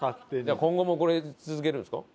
今後もこれ続けるんですか？